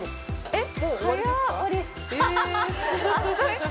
えっ！